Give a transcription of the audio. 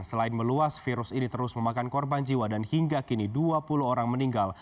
selain meluas virus ini terus memakan korban jiwa dan hingga kini dua puluh orang meninggal